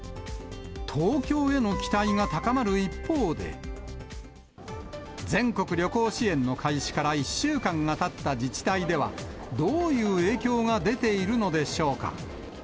東京への期待が高まる一方で、全国旅行支援の開始から１週間がたった自治体では、どういう影響が出ているのでしょうか。